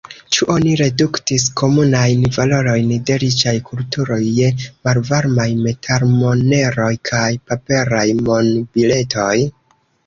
Ĉu oni reduktis komunajn valorojn de riĉaj kulturoj je malvarmaj metalmoneroj kaj paperaj monbiletoj?